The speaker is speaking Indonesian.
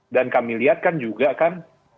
dan kami lihat kan juga kan